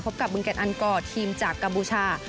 กับบึงเก็ตอันกอร์ทีมจากกัมพูชา